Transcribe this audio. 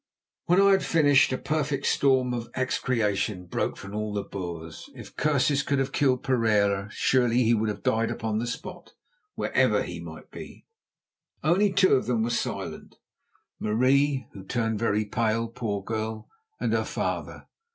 When I had finished a perfect storm of execration broke from the Boers. If curses could have killed Pereira, surely he would have died upon the spot, wherever he might be. Only two of them were silent, Marie, who turned very pale, poor girl, and her father.